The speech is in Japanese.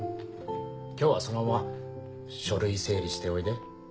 今日はそのまま書類整理しておいで。